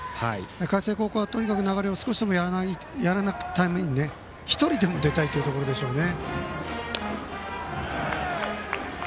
海星高校は流れを少しでもやらないために１人でも出たいというところでしょうね。